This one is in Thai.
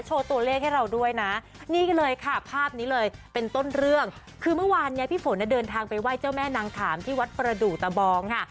ตัวเลขให้เราด้วยนะนี่ก็เลยค่ะภาพนี้เลยเป็นต้นเรื่องคือเมื่อวานเนี่ยพี่ฝนเนี่ยเดินทางไปไหว้เจ้าแม่นางขามที่วัดประดูกตะบองค่ะ